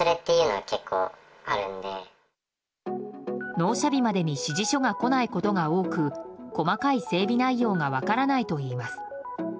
納車日までに指示書が来ないことが多く細かい整備内容が分からないといいます。